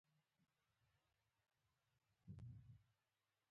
دا په دیني صبغه ده.